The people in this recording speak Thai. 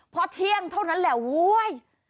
เพราะเที่ยงเท่านั้นแหล่วเว้ย